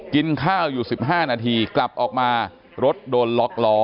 กินข้าวอยู่๑๕นาทีกลับออกมารถโดนล็อกล้อ